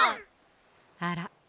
あら？